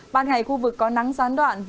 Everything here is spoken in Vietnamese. ban ngày khu vực có nắng gián đoạn